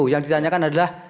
yang ditanyakan adalah